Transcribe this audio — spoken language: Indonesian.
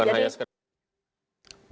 bukan rakyat sekedar